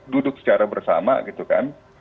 duduk secara bersama gitu kan